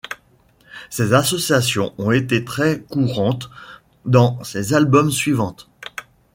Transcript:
Ces associations ont été très courantes dans ses albums suivantes.